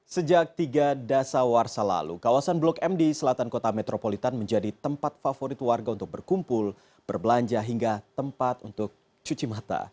sejak tiga dasar warsa lalu kawasan blok m di selatan kota metropolitan menjadi tempat favorit warga untuk berkumpul berbelanja hingga tempat untuk cuci mata